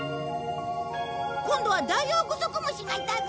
今度はダイオウグソクムシがいたぞ！